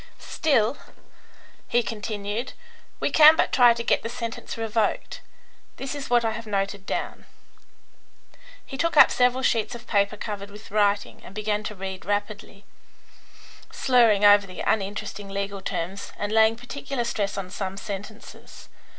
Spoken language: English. Still," he continued, "we can but try to get the sentence revoked. This is what I have noted down." He took up several sheets of paper covered with writing, and began to read rapidly, slurring over the uninteresting legal terms and laying particular stress on some sentences.